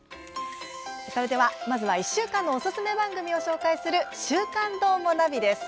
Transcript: それでは１週間のおすすめ番組を紹介する「週刊どーもナビ」です。